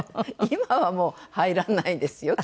今はもう入らないですよきっとね。